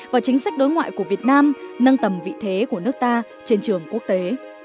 và chính sách đối ngoại của việt nam nâng tầm vị thế của nước ta trên trường quốc tế